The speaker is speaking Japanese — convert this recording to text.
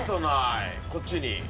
こっちに。